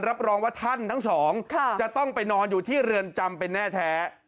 รับรองว่าท่านทั้งสองจะต้องไปนอนอยู่ที่เรือนจำเป็นแน่แท้